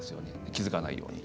気付かないように。